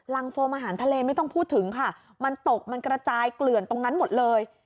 โฟมอาหารทะเลไม่ต้องพูดถึงค่ะมันตกมันกระจายเกลื่อนตรงนั้นหมดเลย